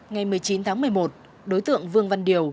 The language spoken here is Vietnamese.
ngày một mươi chín tháng một mươi một đối tượng vương văn điều